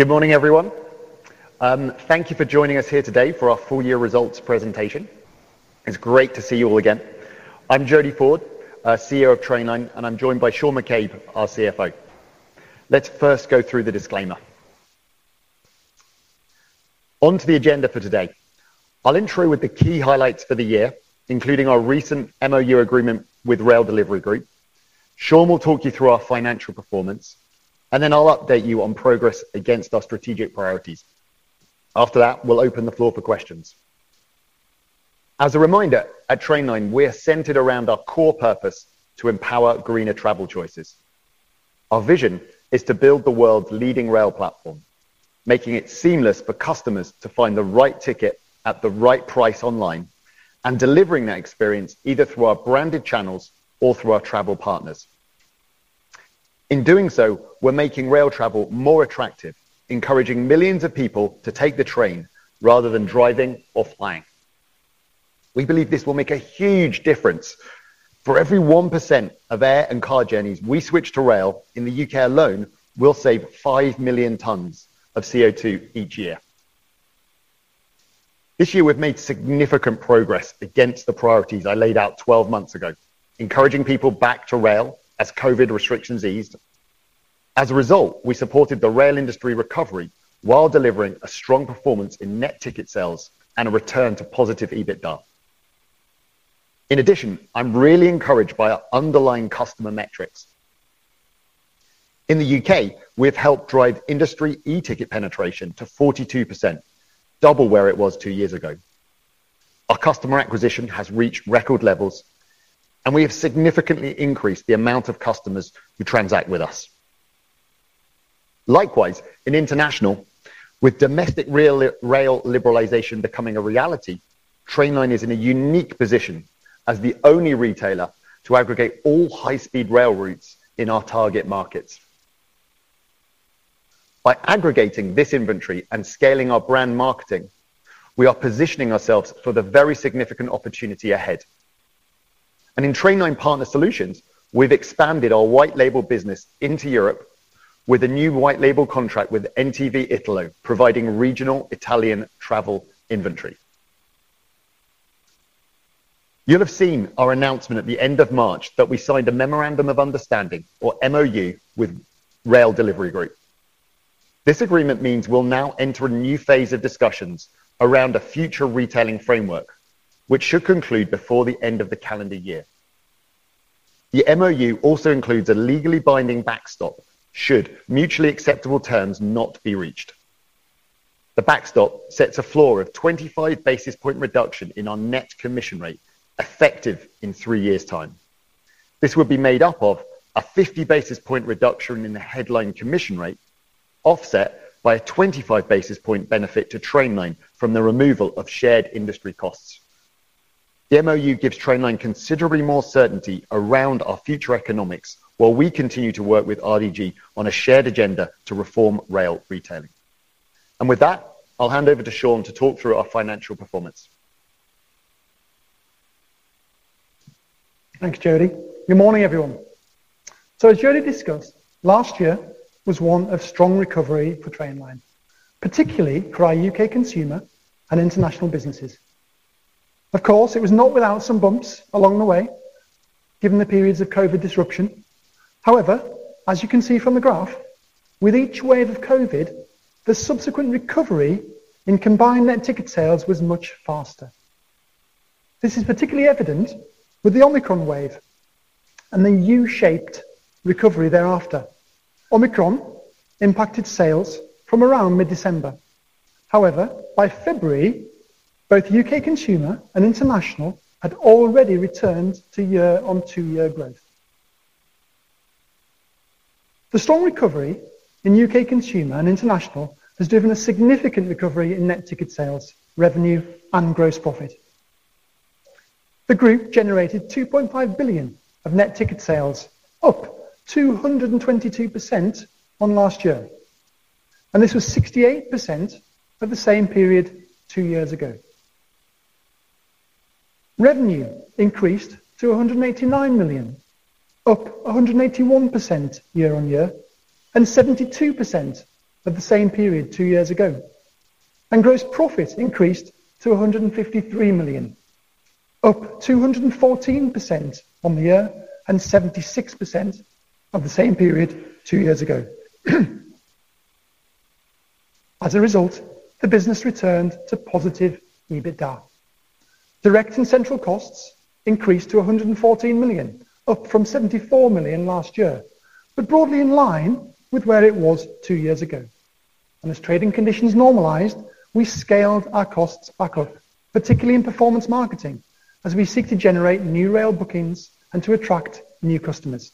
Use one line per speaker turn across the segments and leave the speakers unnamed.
Good morning, everyone. Thank you for joining us here today for our full year results presentation. It's great to see you all again. I'm Jody Ford, CEO of Trainline, and I'm joined by Shaun McCabe, our CFO. Let's first go through the disclaimer. On to the agenda for today. I'll intro with the key highlights for the year, including our recent MoU agreement with Rail Delivery Group. Shaun will talk you through our financial performance, and then I'll update you on progress against our strategic priorities. After that, we'll open the floor for questions. As a reminder, at Trainline, we are centered around our core purpose to empower greener travel choices. Our vision is to build the world's leading rail platform, making it seamless for customers to find the right ticket at the right price online and delivering that experience either through our branded channels or through our travel partners. In doing so, we're making rail travel more attractive, encouraging millions of people to take the train rather than driving or flying. We believe this will make a huge difference. For every 1% of air and car journeys we switch to rail in the UK. alone, we'll save 5 million tonnes of CO2 each year. This year we've made significant progress against the priorities I laid out 12 months ago, encouraging people back to rail as COVID restrictions eased. As a result, we supported the rail industry recovery while delivering a strong performance in net ticket sales and a return to positive EBITDA. In addition, I'm really encouraged by our underlying customer metrics. In the UK, we've helped drive industry e-ticket penetration to 42%, double where it was two years ago. Our customer acquisition has reached record levels, and we have significantly increased the amount of customers who transact with us. Likewise, in International, with domestic rail liberalization becoming a reality, Trainline is in a unique position as the only retailer to aggregate all high-speed rail routes in our target markets. By aggregating this inventory and scaling our brand marketing, we are positioning ourselves for the very significant opportunity ahead. In Trainline Partner Solutions, we've expanded our white label business into Europe with a new white label contract with NTV Italo providing regional Italian travel inventory. You'll have seen our announcement at the end of March that we signed a memorandum of understanding or MoU with Rail Delivery Group. This agreement means we'll now enter a new phase of discussions around a future retailing framework, which should conclude before the end of the calendar year. The MoU also includes a legally binding backstop should mutually acceptable terms not be reached. The backstop sets a floor of 25 basis point reduction in our net commission rate effective in three years' time. This would be made up of a 50 basis point reduction in the headline commission rate offset by a 25 basis point benefit to Trainline from the removal of shared industry costs. The MoU gives Trainline considerably more certainty around our future economics while we continue to work with RDG on a shared agenda to reform rail retailing. With that, I'll hand over to Shaun to talk through our financial performance.
Thanks, Jody. Good morning, everyone. As Jody discussed, last year was one of strong recovery for Trainline, particularly for our UK consumer and international businesses. Of course, it was not without some bumps along the way, given the periods of COVID disruption. However, as you can see from the graph, with each wave of COVID, the subsequent recovery in combined net ticket sales was much faster. This is particularly evident with the Omicron wave and the U-shaped recovery thereafter. Omicron impacted sales from around mid-December. However, by February, both UK consumer and international had already returned to year-on-year growth. The strong recovery in UK consumer and international has driven a significant recovery in net ticket sales, revenue and gross profit. The group generated 2.5 billion of net ticket sales up 222% on last year, and this was 68% of the same period two years ago. Revenue increased to 189 million, up 181% year on year and 72% of the same period two years ago. Gross profit increased to 153 million, up 214% on the year and 76% of the same period two years ago. As a result, the business returned to positive EBITDA. Direct and central costs increased to 114 million, up from 74 million last year, but broadly in line with where it was two years ago. As trading conditions normalized, we scaled our costs back up, particularly in performance marketing, as we seek to generate new rail bookings and to attract new customers.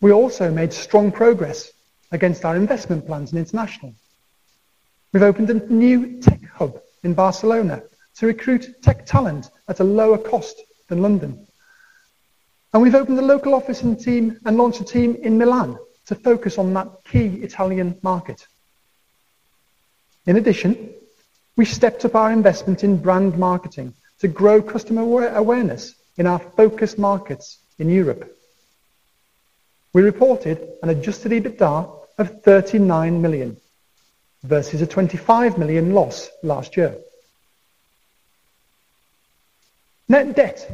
We also made strong progress against our investment plans in international. We've opened a new tech hub in Barcelona to recruit tech talent at a lower cost than London. We've opened a local office and team and launched a team in Milan to focus on that key Italian market. In addition, we stepped up our investment in brand marketing to grow customer awareness in our focus markets in Europe. We reported an adjusted EBITDA of 39 million versus a 25 million loss last year. Net debt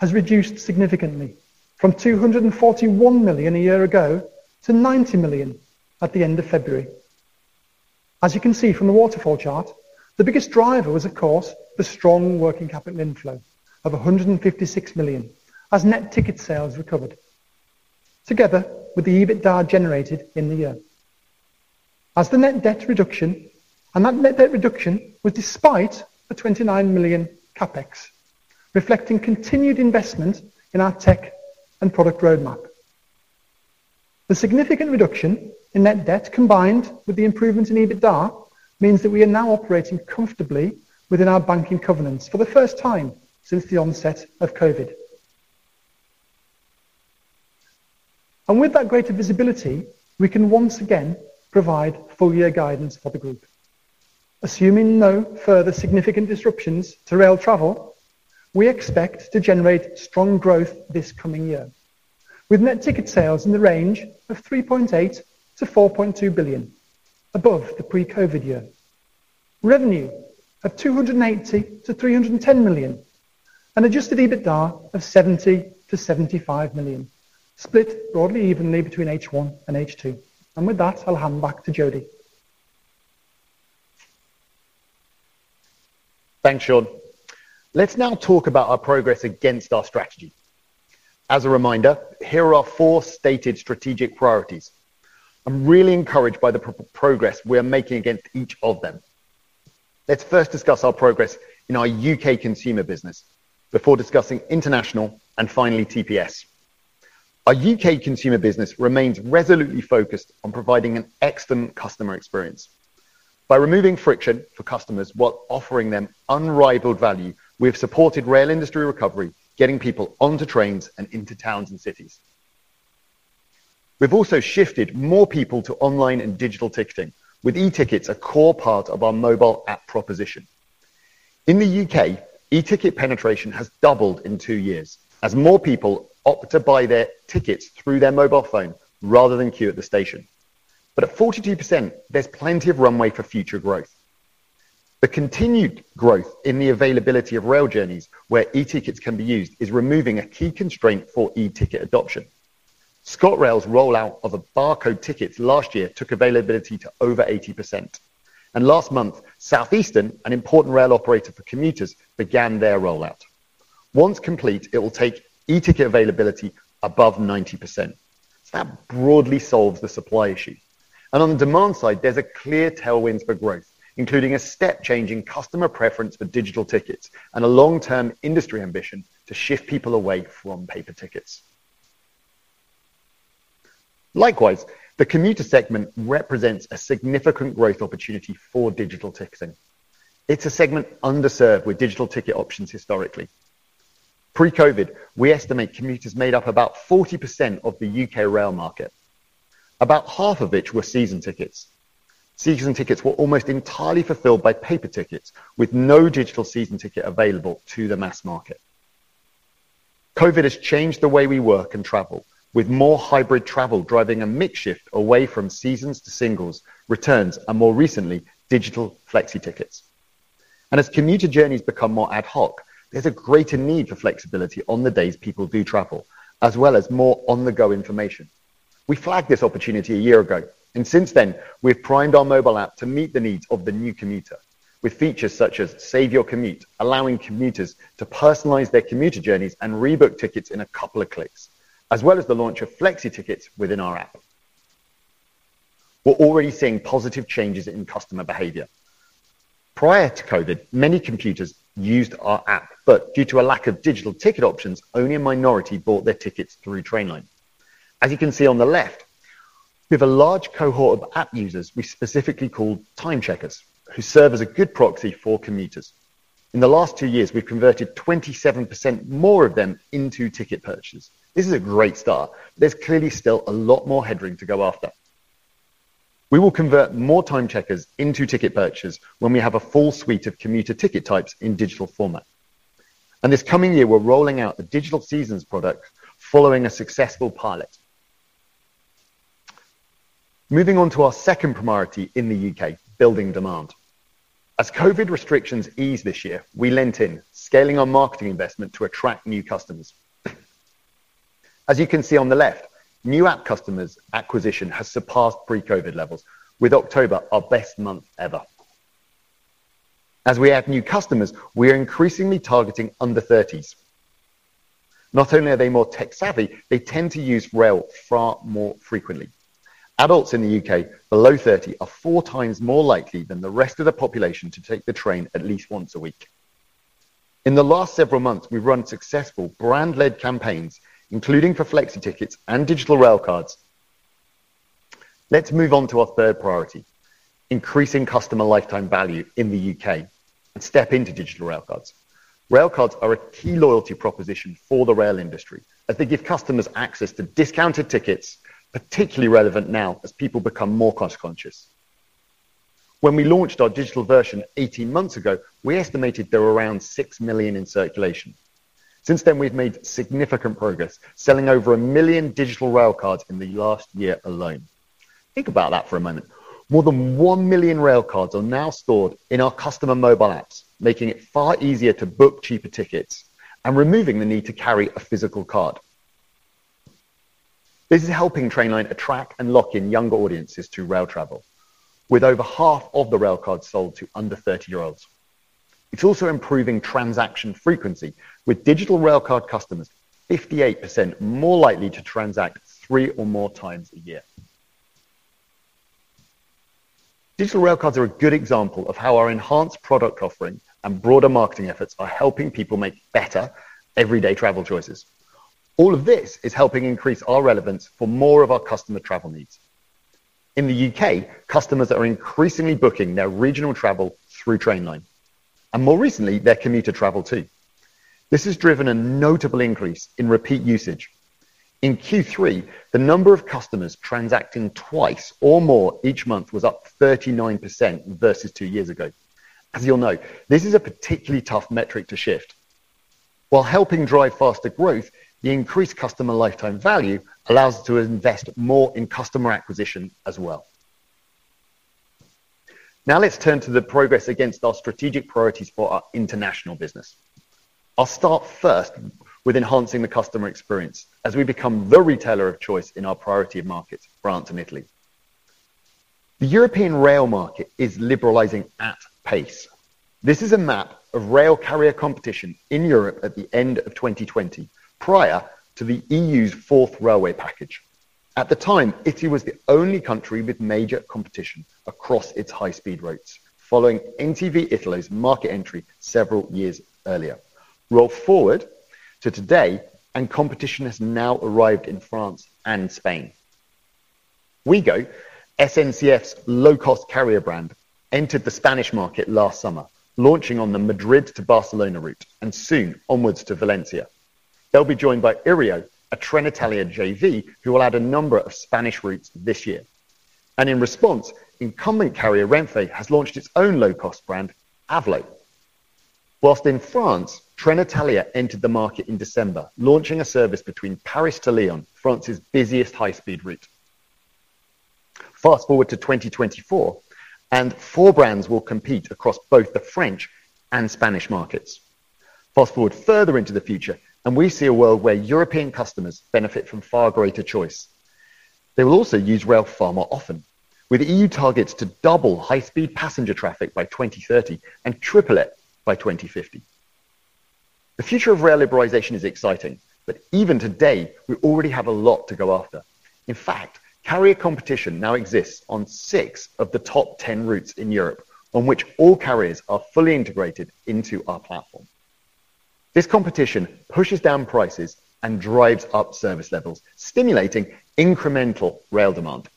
has reduced significantly from 241 million a year ago to 90 million at the end of February. As you can see from the waterfall chart, the biggest driver was of course, the strong working capital inflow of 156 million as net ticket sales recovered together with the EBITDA generated in the year. As the net debt reduction and that net debt reduction was despite a 29 million CapEx reflecting continued investment in our tech and product roadmap. The significant reduction in net debt combined with the improvement in EBITDA means that we are now operating comfortably within our banking covenants for the first time since the onset of COVID. With that greater visibility, we can once again provide full year guidance for the group. Assuming no further significant disruptions to rail travel, we expect to generate strong growth this coming year with net ticket sales in the range of 3.8 billion-4.2 billion above the pre-COVID year. Revenue of 280 million-310 million and adjusted EBITDA of 70 million-75 million split broadly evenly between H1 and H2. With that, I'll hand back to Jody.
Thanks, Shaun. Let's now talk about our progress against our strategy. As a reminder, here are our four stated strategic priorities. I'm really encouraged by the progress we are making against each of them. Let's first discuss our progress in our UK consumer business before discussing international and finally TPS. Our UK consumer business remains resolutely focused on providing an excellent customer experience. By removing friction for customers while offering them unrivaled value, we have supported rail industry recovery, getting people onto trains and into towns and cities. We've also shifted more people to online and digital ticketing with e-tickets a core part of our mobile app proposition. In the UK, e-ticket penetration has doubled in two years as more people opt to buy their tickets through their mobile phone rather than queue at the station. At 42% there's plenty of runway for future growth. The continued growth in the availability of rail journeys where e-tickets can be used is removing a key constraint for e-ticket adoption. ScotRail's rollout of a barcode ticket last year took availability to over 80%. Last month, Southeastern, an important rail operator for commuters, began their rollout. Once complete, it will take e-ticket availability above 90%. That broadly solves the supply issue. On the demand side, there's a clear tailwinds for growth, including a step change in customer preference for digital tickets and a long-term industry ambition to shift people away from paper tickets. Likewise, the commuter segment represents a significant growth opportunity for digital ticketing. It's a segment underserved with digital ticket options historically. Pre-COVID, we estimate commuters made up about 40% of the UK rail market, about half of which were season tickets. Season tickets were almost entirely fulfilled by paper tickets with no digital season ticket available to the mass market. COVID has changed the way we work and travel with more hybrid travel driving a mix shift away from seasons to singles, returns, and more recently, digital flexi tickets. As commuter journeys become more ad hoc, there's a greater need for flexibility on the days people do travel, as well as more on-the-go information. We flagged this opportunity a year ago, and since then, we've primed our mobile app to meet the needs of the new commuter with features such as Save Your Commute, allowing commuters to personalize their commuter journeys and rebook tickets in a couple of clicks, as well as the launch of flexi tickets within our app. We're already seeing positive changes in customer behavior. Prior to COVID, many commuters used our app, but due to a lack of digital ticket options, only a minority bought their tickets through Trainline. As you can see on the left, we have a large cohort of app users we specifically call time checkers, who serve as a good proxy for commuters. In the last two years, we've converted 27% more of them into ticket purchases. This is a great start. There's clearly still a lot more headroom to go after. We will convert more time checkers into ticket purchases when we have a full suite of commuter ticket types in digital format. This coming year, we're rolling out the digital seasons product following a successful pilot. Moving on to our second priority in the UK, building demand. As COVID restrictions ease this year, we leaned in, scaling our marketing investment to attract new customers. As you can see on the left, new app customers acquisition has surpassed pre-COVID levels with October our best month ever. As we add new customers, we are increasingly targeting under 30s. Not only are they more tech savvy, they tend to use rail far more frequently. Adults in the UK below 30 are four times more likely than the rest of the population to take the train at least once a week. In the last several months, we've run successful brand-led campaigns, including for flexi tickets and digital Railcards. Let's move on to our third priority, increasing customer lifetime value in the UK and step into digital Railcards. Railcards are a key loyalty proposition for the rail industry as they give customers access to discounted tickets, particularly relevant now as people become more cost-conscious. When we launched our digital version 18 months ago, we estimated there were around 6 million in circulation. Since then, we've made significant progress, selling over 1 million digital Railcards in the last year alone. Think about that for a moment. More than 1 million Railcards are now stored in our customer mobile apps, making it far easier to book cheaper tickets and removing the need to carry a physical card. This is helping Trainline attract and lock in younger audiences to rail travel. With over half of the Railcards sold to under 30-year-olds. It's also improving transaction frequency. With digital rail card customers 58% more likely to transact three or more times a year. Digital Railcards are a good example of how our enhanced product offering and broader marketing efforts are helping people make better everyday travel choices. All of this is helping increase our relevance for more of our customer travel needs. In the UK., customers are increasingly booking their regional travel through Trainline, and more recently, their commuter travel too. This has driven a notable increase in repeat usage. In Q3, the number of customers transacting twice or more each month was up 39% versus two years ago. As you'll know, this is a particularly tough metric to shift. While helping drive faster growth, the increased customer lifetime value allows us to invest more in customer acquisition as well. Now let's turn to the progress against our strategic priorities for our international business. I'll start first with enhancing the customer experience as we become the retailer of choice in our priority markets, France and Italy. The European rail market is liberalizing at pace. This is a map of rail carrier competition in Europe at the end of 2020, prior to the EU's Fourth Railway Package. At the time, Italy was the only country with major competition across its high-speed routes following NTV Italy's market entry several years earlier. Roll forward to today, and competition has now arrived in France and Spain. Ouigo, SNCF's low-cost carrier brand, entered the Spanish market last summer, launching on the Madrid to Barcelona route and soon onwards to Valencia. They'll be joined by Iryo, a Trenitalia JV, who will add a number of Spanish routes this year. In response, incumbent carrier Renfe has launched its own low-cost brand, AVLO. Whilst in France, Trenitalia entered the market in December, launching a service between Paris and Lyon, France's busiest high-speed route. Fast-forward to 2024, and four brands will compete across both the French and Spanish markets. Fast-forward further into the future, and we see a world where European customers benefit from far greater choice. They will also use rail far more often, with EU targets to double high-speed passenger traffic by 2030 and triple it by 2050. The future of rail liberalization is exciting, but even today, we already have a lot to go after. In fact, carrier competition now exists on six of the top 10 routes in Europe on which all carriers are fully integrated into our platform. This competition pushes down prices and drives up service levels, stimulating incremental rail demand.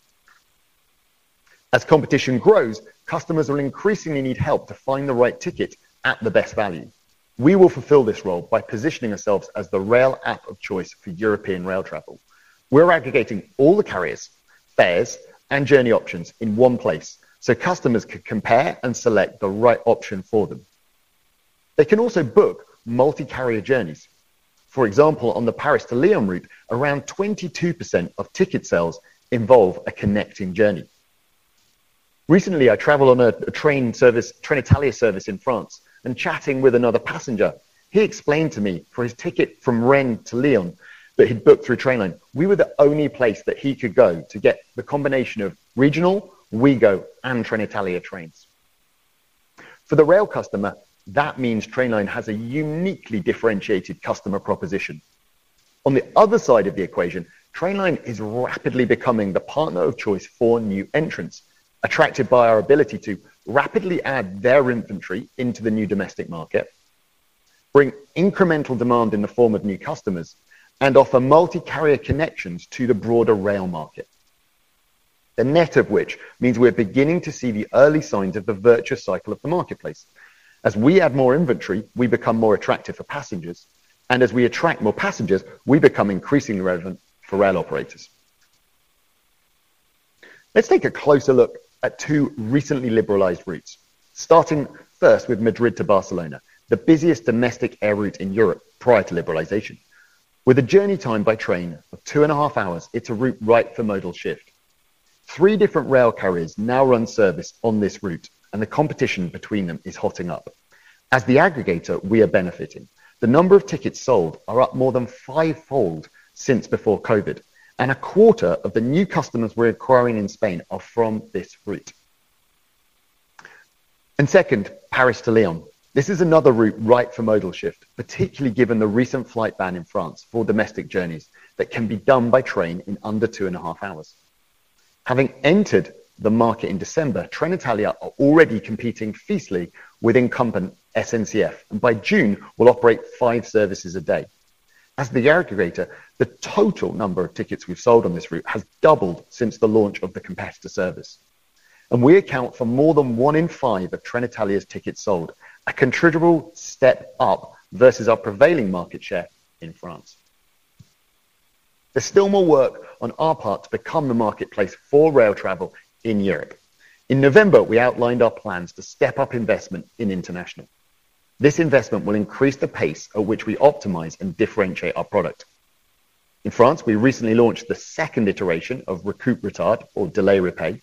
As competition grows, customers will increasingly need help to find the right ticket at the best value. We will fulfill this role by positioning ourselves as the rail app of choice for European rail travel. We're aggregating all the carriers, fares, and journey options in one place so customers can compare and select the right option for them. They can also book multi-carrier journeys. For example, on the Paris to Lyon route, around 22% of ticket sales involve a connecting journey. Recently, I traveled on a train service, Trenitalia service in France, and chatting with another passenger, he explained to me for his ticket from Rennes to Lyon that he'd booked through Trainline. We were the only place that he could go to get the combination of regional, Ouigo, and Trenitalia trains. For the rail customer, that means Trainline has a uniquely differentiated customer proposition. On the other side of the equation, Trainline is rapidly becoming the partner of choice for new entrants, attracted by our ability to rapidly add their inventory into the new domestic market, bring incremental demand in the form of new customers, and offer multi-carrier connections to the broader rail market. The net of which means we're beginning to see the early signs of the virtuous cycle of the marketplace. As we add more inventory, we become more attractive for passengers. As we attract more passengers, we become increasingly relevant for rail operators. Let's take a closer look at two recently liberalized routes, starting first with Madrid to Barcelona, the busiest domestic air route in Europe prior to liberalization. With a journey time by train of two and a half hours, it's a route ripe for modal shift. Three different rail carriers now run service on this route, and the competition between them is hotting up. As the aggregator, we are benefiting. The number of tickets sold are up more than 5-fold since before COVID, and a quarter of the new customers we're acquiring in Spain are from this route. Second, Paris to Lyon. This is another route ripe for modal shift, particularly given the recent flight ban in France for domestic journeys that can be done by train in under 2 and a half hours. Having entered the market in December, Trenitalia are already competing fiercely with incumbent SNCF, and by June will operate 5 services a day. As the aggregator, the total number of tickets we've sold on this route has doubled since the launch of the competitor service. We account for more than 1 in 5 of Trenitalia's tickets sold, a considerable step up versus our prevailing market share in France. There's still more work on our part to become the marketplace for rail travel in Europe. In November, we outlined our plans to step up investment in international. This investment will increase the pace at which we optimize and differentiate our product. In France, we recently launched the second iteration of Récup'Retard or Delay Repay.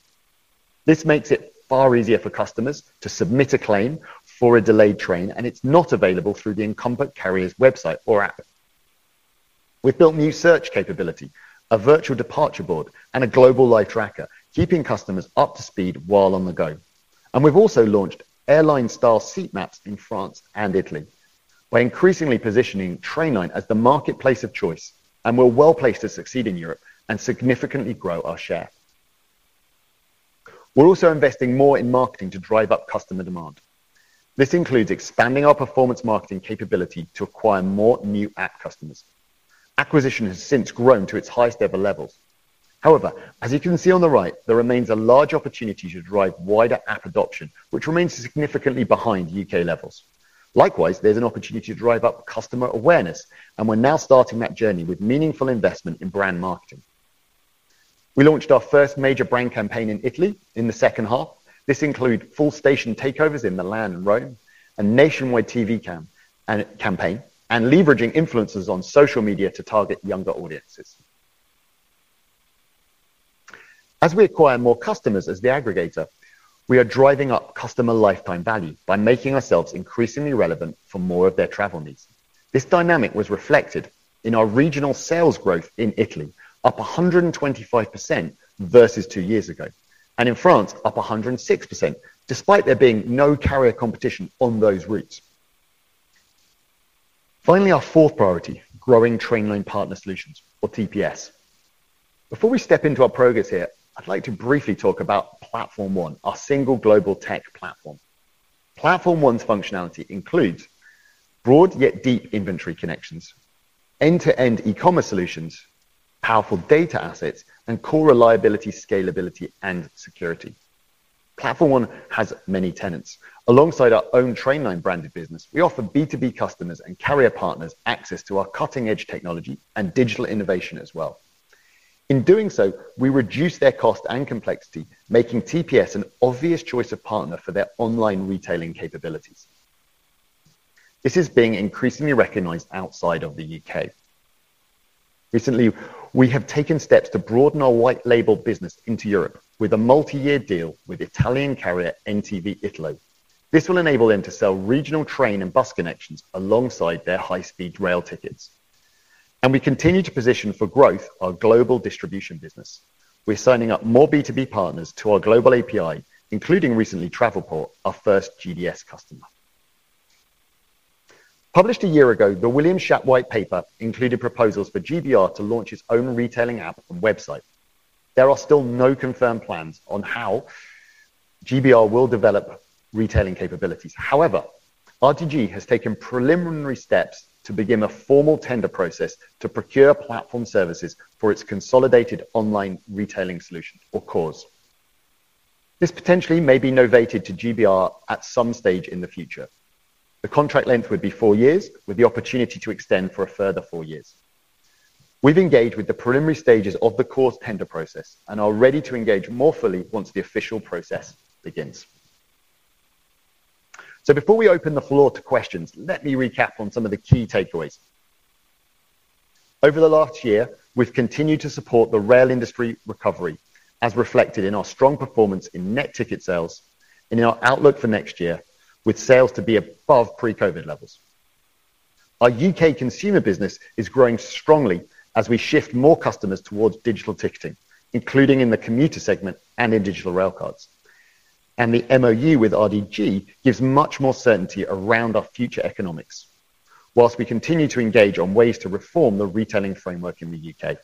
This makes it far easier for customers to submit a claim for a delayed train, and it's not available through the incumbent carrier's website or app. We've built new search capability, a virtual departure board, and a global live tracker, keeping customers up to speed while on the go. We've also launched airline-style seat maps in France and Italy. We're increasingly positioning Trainline as the marketplace of choice, and we're well-placed to succeed in Europe and significantly grow our share. We're also investing more in marketing to drive up customer demand. This includes expanding our performance marketing capability to acquire more new app customers. Acquisition has since grown to its highest ever levels. However, as you can see on the right, there remains a large opportunity to drive wider app adoption, which remains significantly behind UK levels. Likewise, there's an opportunity to drive up customer awareness, and we're now starting that journey with meaningful investment in brand marketing. We launched our first major brand campaign in Italy in the second half. This includes full station takeovers in Milan and Rome, a nationwide TV campaign, and leveraging influencers on social media to target younger audiences. As we acquire more customers as the aggregator, we are driving up customer lifetime value by making ourselves increasingly relevant for more of their travel needs. This dynamic was reflected in our regional sales growth in Italy, up 125% versus two years ago, and in France, up 106%, despite there being no carrier competition on those routes. Finally, our fourth priority, growing Trainline Partner Solutions or TPS. Before we step into our progress here, I'd like to briefly talk about Platform One, our single global tech platform. Platform One's functionality includes broad yet deep inventory connections, end-to-end e-commerce solutions, powerful data assets, and core reliability, scalability, and security. Platform One has many tenants. Alongside our own Trainline branded business, we offer B2B customers and carrier partners access to our cutting-edge technology and digital innovation as well. In doing so, we reduce their cost and complexity, making TPS an obvious choice of partner for their online retailing capabilities. This is being increasingly recognized outside of the UK. Recently, we have taken steps to broaden our white label business into Europe with a multi-year deal with Italian carrier NTV Italo. This will enable them to sell regional train and bus connections alongside their high-speed rail tickets. We continue to position for growth our global distribution business. We're signing up more B to B partners to our global API, including recently Travelport, our first GDS customer. Published a year ago, the Williams-Shapps white paper included proposals for GBR to launch its own retailing app and website. There are still no confirmed plans on how GBR will develop retailing capabilities. However, RDG has taken preliminary steps to begin a formal tender process to procure platform services for its consolidated online retailing solution or CORS. This potentially may be novated to GBR at some stage in the future. The contract length would be four years, with the opportunity to extend for a further four years. We've engaged with the preliminary stages of the CORS tender process and are ready to engage more fully once the official process begins. Before we open the floor to questions, let me recap on some of the key takeaways. Over the last year, we've continued to support the rail industry recovery, as reflected in our strong performance in net ticket sales and in our outlook for next year, with sales to be above pre-COVID levels. Our UK consumer business is growing strongly as we shift more customers towards digital ticketing, including in the commuter segment and in digital Railcards. The MoU with RDG gives much more certainty around our future economics, while we continue to engage on ways to reform the retailing framework in the UK.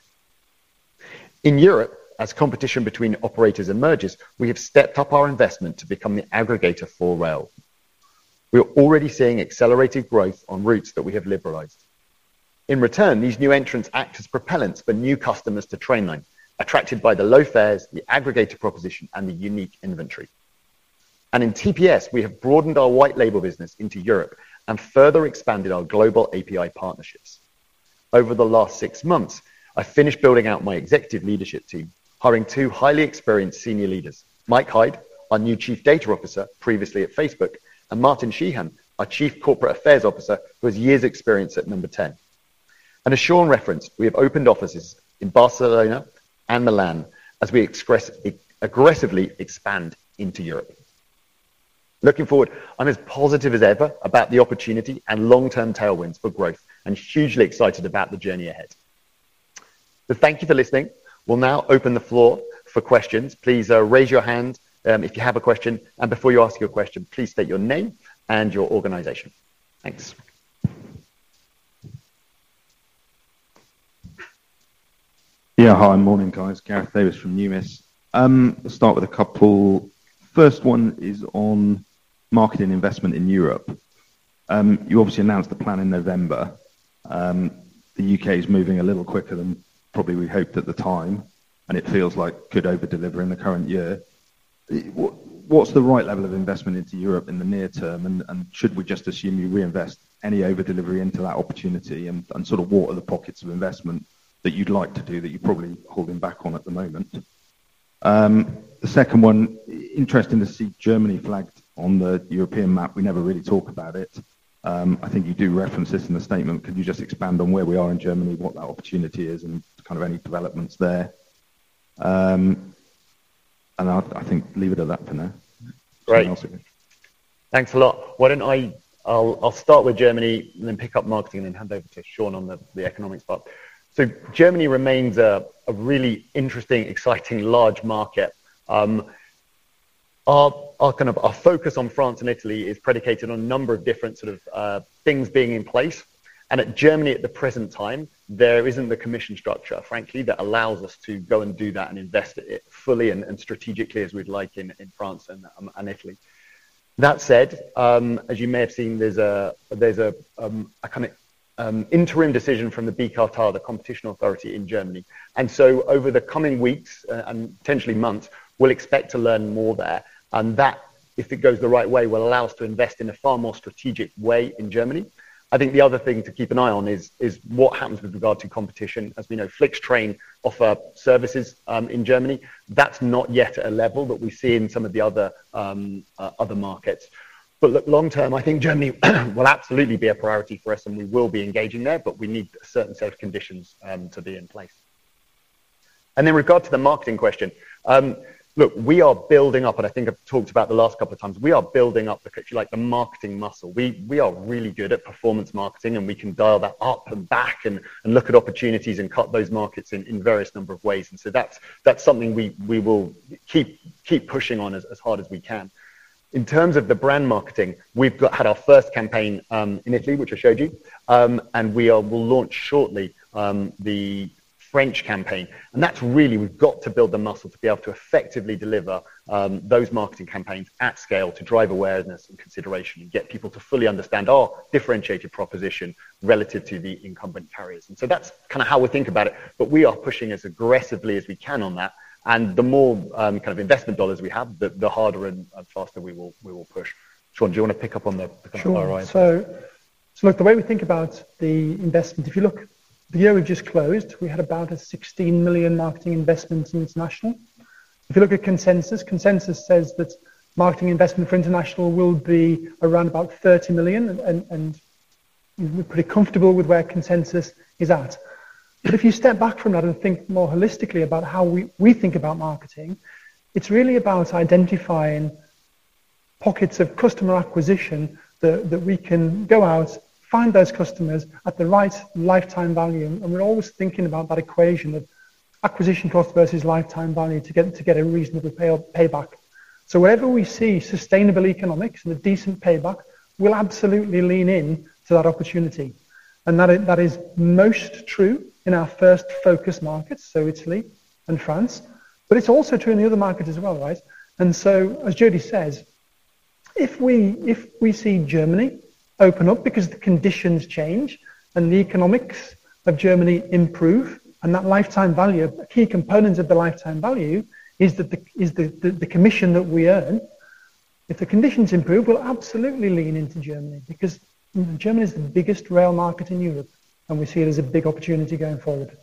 In Europe, as competition between operators emerges, we have stepped up our investment to become the aggregator for rail. We are already seeing accelerated growth on routes that we have liberalized. In return, these new entrants act as propellants for new customers to Trainline, attracted by the low fares, the aggregator proposition, and the unique inventory. In TPS, we have broadened our white label business into Europe and further expanded our global API partnerships. Over the last six months, I finished building out my executive leadership team, hiring two highly experienced senior leaders. Mike Hyde, our new Chief Data Officer, previously at Facebook, and Martin Sheehan, our Chief Corporate Affairs Officer, who has years experience at Number Ten. As Shaun referenced, we have opened offices in Barcelona and Milan as we aggressively expand into Europe. Looking forward, I'm as positive as ever about the opportunity and long-term tailwinds for growth and hugely excited about the journey ahead. Thank you for listening. We'll now open the floor for questions. Please, raise your hand, if you have a question, and before you ask your question, please state your name and your organization. Thanks.
Yeah. Hi. Morning, guys. Gareth Davies from Deutsche Numis. Start with a couple. First one is on marketing investment in Europe. You obviously announced the plan in November. The UK is moving a little quicker than probably we hoped at the time, and it feels like good over-delivery in the current year. What's the right level of investment into Europe in the near term? And should we just assume you reinvest any over-delivery into that opportunity and sort of what are the pockets of investment that you'd like to do that you're probably holding back on at the moment? The second one, interesting to see Germany flagged on the European map. We never really talk about it. I think you do reference this in the statement. Could you just expand on where we are in Germany, what that opportunity is and kind of any developments there? I think leave it at that for now.
Great.
Anything else you think?
Thanks a lot. Why don't I start with Germany and then pick up marketing and then hand over to Shaun on the economics part. Germany remains a really interesting, exciting, large market. Our focus on France and Italy is predicated on a number of different sort of things being in place. In Germany at the present time, there isn't the commission structure, frankly, that allows us to go and do that and invest it fully and strategically as we'd like in France and Italy. That said, as you may have seen, there's a kind of interim decision from the Bundeskartellamt, the competition authority in Germany. Over the coming weeks and potentially months, we'll expect to learn more there. That, if it goes the right way, will allow us to invest in a far more strategic way in Germany. I think the other thing to keep an eye on is what happens with regard to competition. As we know, FlixTrain offer services in Germany. That's not yet a level that we see in some of the other other markets. But look, long term, I think Germany will absolutely be a priority for us, and we will be engaging there, but we need a certain set of conditions to be in place. In regard to the marketing question, look, we are building up, and I think I've talked about the last couple of times, we are building up, if you like, the marketing muscle. We are really good at performance marketing, and we can dial that up and back and look at opportunities and cut those markets in various number of ways. That's something we will keep pushing on as hard as we can. In terms of the brand marketing, we've had our first campaign in Italy, which I showed you. We'll launch shortly the French campaign. That's really we've got to build the muscle to be able to effectively deliver those marketing campaigns at scale to drive awareness and consideration and get people to fully understand our differentiated proposition relative to the incumbent carriers. That's kinda how we think about it. We are pushing as aggressively as we can on that. The more kind of investment dollars we have, the harder and faster we will push. Shaun, do you wanna pick up on the kind of priorities?
Sure. Look, the way we think about the investment, if you look the year we've just closed, we had about a 16 million marketing investment in international. If you look at consensus says that marketing investment for international will be around about 30 million, and we're pretty comfortable with where consensus is at. If you step back from that and think more holistically about how we think about marketing, it's really about identifying pockets of customer acquisition that we can go out, find those customers at the right lifetime value. We're always thinking about that equation of acquisition cost versus lifetime value to get a reasonable payback. Wherever we see sustainable economics and a decent payback, we'll absolutely lean in to that opportunity. That is most true in our first focus markets, so Italy and France, but it's also true in the other markets as well, right? As Jody says, if we see Germany open up because the conditions change and the economics of Germany improve and that lifetime value, a key component of the lifetime value is the commission that we earn. If the conditions improve, we'll absolutely lean into Germany because, you know, Germany is the biggest rail market in Europe, and we see it as a big opportunity going forward.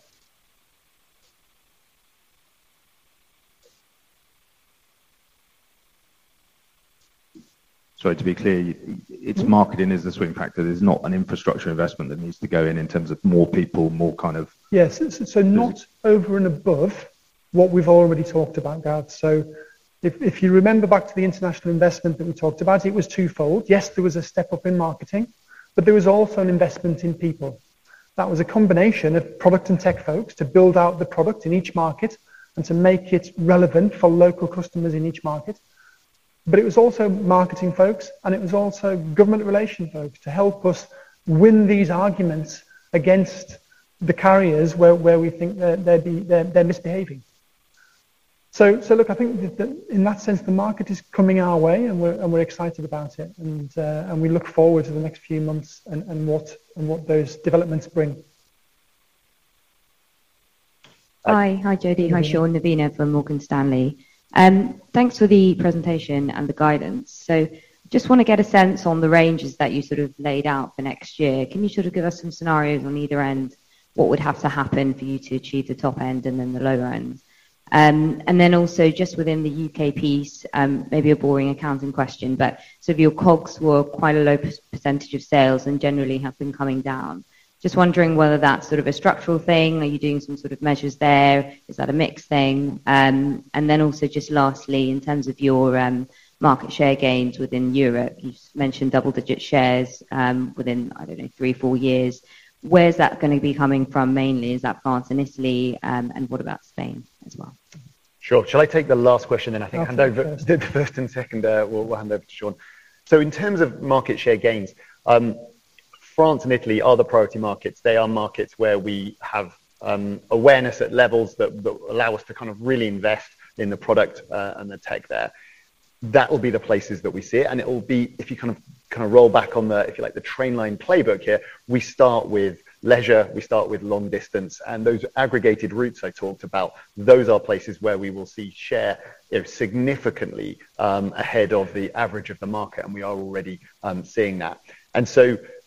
Sorry. To be clear, its marketing is the swing factor. There's not an infrastructure investment that needs to go in terms of more people.
Yes. Not over and above what we've already talked about, Gav. If you remember back to the international investment that we talked about, it was twofold. Yes, there was a step-up in marketing, but there was also an investment in people. That was a combination of product and tech folks to build out the product in each market and to make it relevant for local customers in each market. But it was also marketing folks, and it was also government relations folks to help us win these arguments against the carriers where we think they're misbehaving. Look, I think that in that sense, the market is coming our way, and we're excited about it. We look forward to the next few months and what those developments bring.
Hi. Hi, Jody. Hi, Shaun. Navina from Morgan Stanley. Thanks for the presentation and the guidance. Just wanna get a sense on the ranges that you sort of laid out for next year. Can you sort of give us some scenarios on either end, what would have to happen for you to achieve the top end and then the lower end? Just within the UK piece, maybe a boring accounting question, but some of your costs were quite a low percentage of sales and generally have been coming down. Just wondering whether that's sort of a structural thing. Are you doing some sort of measures there? Is that a mix thing? Just lastly, in terms of your market share gains within Europe, you mentioned double-digit shares within, I don't know, three, four years. Where is that gonna be coming from mainly? Is that France and Italy? What about Spain as well? Sure. Shall I take the last question then? I think hand over the first and second, we'll hand over to Shaun. In terms of market share gains, France and Italy are the priority markets. They are markets where we have awareness at levels that allow us to kind of really invest in the product, and the tech there.
That will be the places that we see it. If you kind of roll back on the, if you like, the Trainline playbook here, we start with leisure, we start with long distance, and those aggregated routes I talked about, those are places where we will see share, you know, significantly ahead of the average of the market, and we are already seeing that.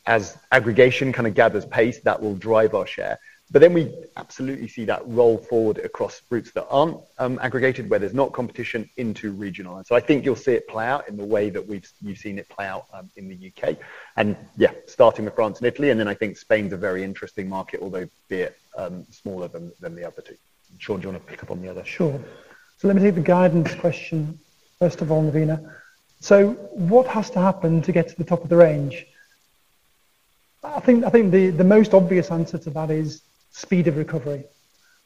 As aggregation kinda gathers pace, that will drive our share. We absolutely see that roll forward across routes that aren't aggregated, where there's not competition into regional. I think you'll see it play out in the way that you've seen it play out in the UK. Yeah, starting with France and Italy, and then I think Spain's a very interesting market, although a bit smaller than the other two. Shaun, do you wanna pick up on the other?
Let me take the guidance question first of all, Navina. What has to happen to get to the top of the range? I think the most obvious answer to that is speed of recovery.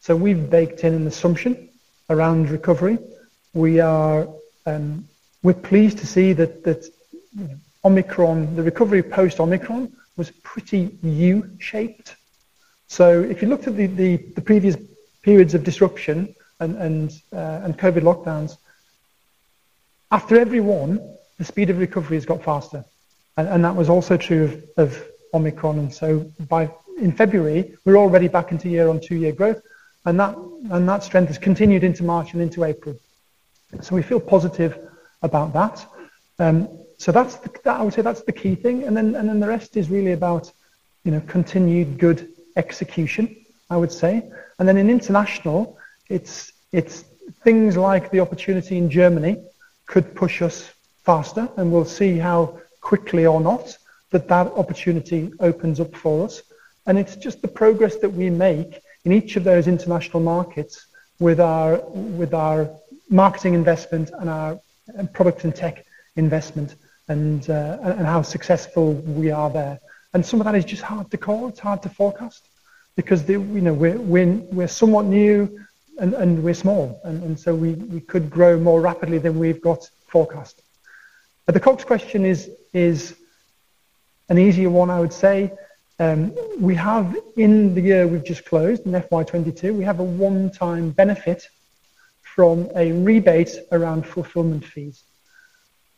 We've baked in an assumption around recovery. We're pleased to see that the recovery post-Omicron was pretty U-shaped. If you looked at the previous periods of disruption and COVID lockdowns, after every one, the speed of recovery has got faster. That was also true of Omicron. In February, we're already back into year-on-year growth, and that strength has continued into March and into April. We feel positive about that. I would say that's the key thing. The rest is really about, you know, continued good execution, I would say. In international, it's things like the opportunity in Germany could push us faster, and we'll see how quickly or not that opportunity opens up for us. It's just the progress that we make in each of those international markets with our marketing investment and our product and tech investment and how successful we are there. Some of that is just hard to call. It's hard to forecast because, you know, we're somewhat new and we're small. We could grow more rapidly than we've got forecasted. But the COGS question is an easier one, I would say. We have in the year we've just closed, in FY22, we have a one-time benefit from a rebate around fulfillment fees.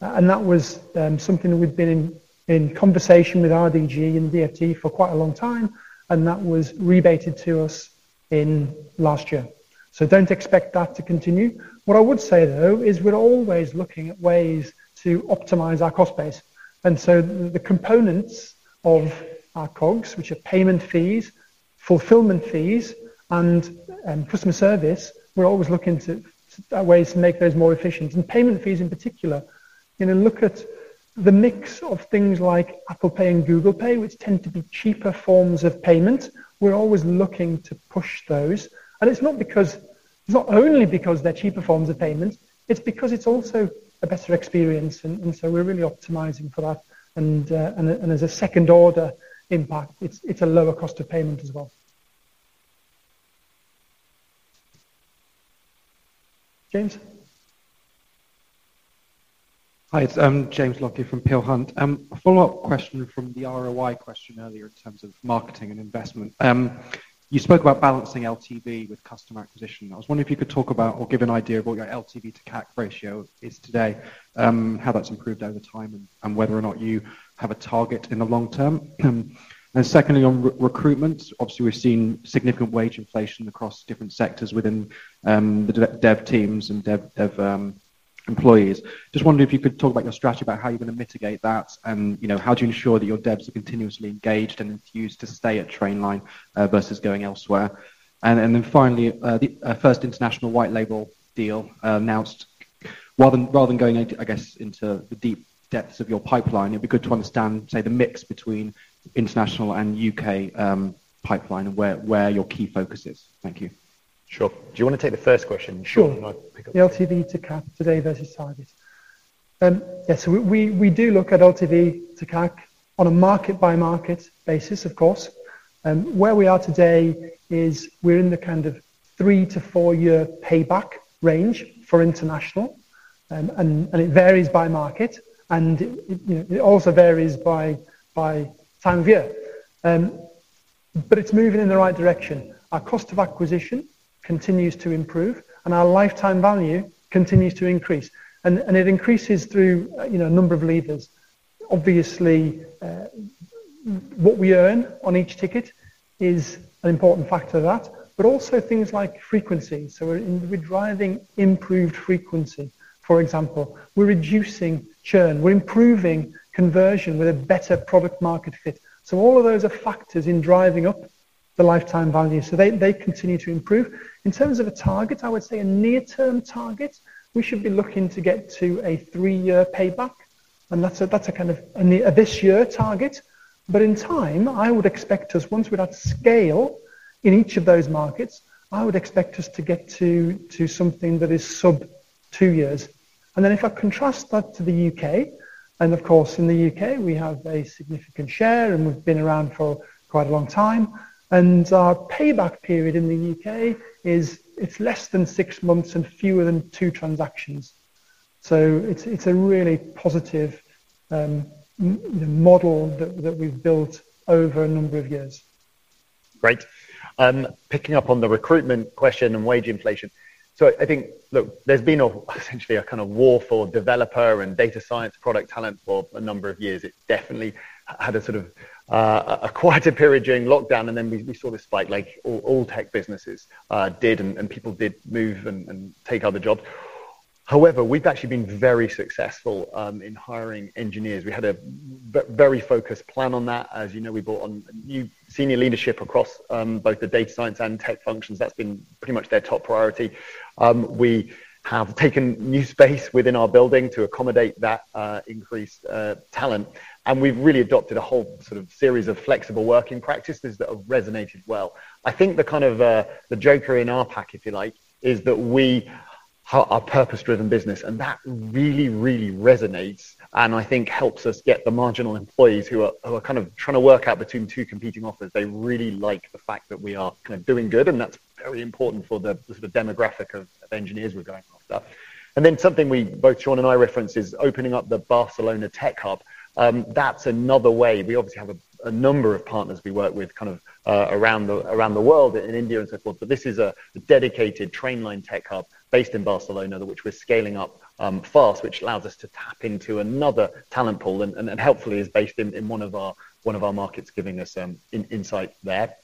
That was something that we've been in conversation with RDG and DfT for quite a long time, and that was rebated to us in last year. Don't expect that to continue. What I would say, though, is we're always looking at ways to optimize our cost base. The components of our COGS, which are payment fees, fulfillment fees, and customer service, we're always looking at ways to make those more efficient. Payment fees in particular, you know, look at the mix of things like Apple Pay and Google Pay, which tend to be cheaper forms of payment. We're always looking to push those. It's not because. It's not only because they're cheaper forms of payment, it's because it's also a better experience. We're really optimizing for that. As a second order impact, it's a lower cost of payment as well. James?
Hi, it's James Lockyer from Peel Hunt. A follow-up question from the ROI question earlier in terms of marketing and investment. You spoke about balancing LTV with customer acquisition. I was wondering if you could talk about or give an idea of what your LTV to CAC ratio is today, how that's improved over time, and whether or not you have a target in the long term. Secondly, on recruitment, obviously we've seen significant wage inflation across different sectors within the dev teams and dev employees. Just wondering if you could talk about your strategy about how you're gonna mitigate that and, you know, how do you ensure that your devs are continuously engaged and enthused to stay at Trainline versus going elsewhere. Then finally, the first international white label deal announced. Rather than going into, I guess, the deep depths of your pipeline, it'd be good to understand, say, the mix between international and UK pipeline and where your key focus is. Thank you.
Sure. Do you wanna take the first question, Shaun?
Sure.
I'll pick up the second.
The LTV to CAC today versus targets. We do look at LTV to CAC on a market-by-market basis, of course. Where we are today is we're in the kind of three-four-year payback range for international. It varies by market, and it, you know, also varies by time of year. It's moving in the right direction. Our cost of acquisition continues to improve, and our lifetime value continues to increase. It increases through, you know, a number of levers. Obviously, what we earn on each ticket is an important factor to that, but also things like frequency. We're driving improved frequency, for example. We're reducing churn. We're improving conversion with a better product market fit. All of those are factors in driving up the lifetime value. They continue to improve. In terms of a target, I would say a near-term target, we should be looking to get to a three-year payback, and that's a kind of a this year target. In time, once we've had scale in each of those markets, I would expect us to get to something that is sub two years. If I contrast that to the UK, of course in the UK we have a significant share, and we've been around for quite a long time, and our payback period in the UK is less than six months and fewer than two transactions. It's a really positive model that we've built over a number of years.
Great. Picking up on the recruitment question and wage inflation. I think, look, there's been essentially a kind of war for developer and data science product talent for a number of years. It definitely had a sort of a quieter period during lockdown, and then we saw this spike like all tech businesses did, and people did move and take other jobs. However, we've actually been very successful in hiring engineers. We had a very focused plan on that. As you know, we brought on new senior leadership across both the data science and tech functions. That's been pretty much their top priority. We have taken new space within our building to accommodate that increased talent, and we've really adopted a whole sort of series of flexible working practices that have resonated well. I think the kind of the joker in our pack, if you like, is that we are purpose-driven business, and that really, really resonates, and I think helps us get the marginal employees who are kind of trying to work out between two competing offers. They really like the fact that we are kind of doing good, and that's very important for the sort of demographic of engineers we're going after. Then something we both Shaun and I reference is opening up the Barcelona Tech Hub. That's another way. We obviously have a number of partners we work with kind of around the world in India and so forth, but this is a dedicated Trainline tech hub based in Barcelona that which we're scaling up fast, which allows us to tap into another talent pool and helpfully is based in one of our markets, giving us insight there.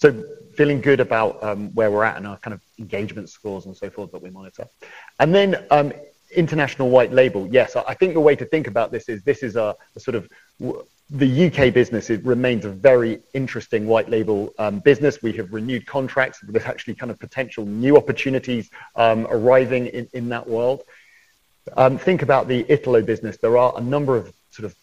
So feeling good about where we're at and our kind of engagement scores and so forth that we monitor. International white label. Yes, I think the way to think about this is this is a sort of the UK. business, it remains a very interesting white label business. We have renewed contracts. There's actually kind of potential new opportunities arising in that world. Think about the Italy business. There are a number of sort of